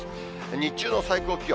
日中の最高気温。